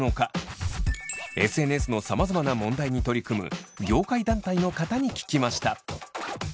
ＳＮＳのさまざまな問題に取り組む業界団体の方に聞きました。